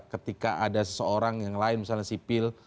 ketika ada seseorang yang lain misalnya sipil